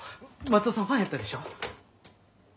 松戸さんファンやったでしょ？